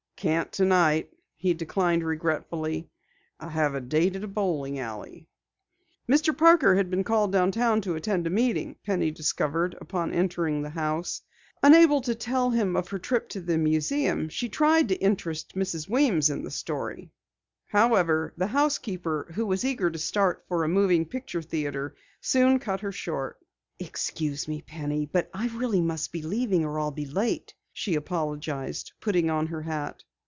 "Can't tonight," he declined regretfully. "I have a date at a bowling alley." Mr. Parker had been called downtown to attend a meeting, Penny discovered upon entering the house. Unable to tell him of her trip to the museum, she tried to interest Mrs. Weems in the story. However, the housekeeper, who was eager to start for a moving picture theatre, soon cut her short. "Excuse me, Penny, but I really must be leaving or I'll be late," she apologized, putting on her hat.